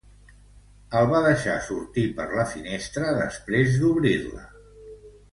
El va deixar sortir per la finestra després d'obrir-la.